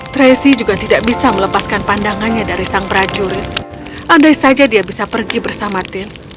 tracy juga tidak bisa melepaskan pandangannya dari sang prajurit andai saja dia bisa pergi bersama tim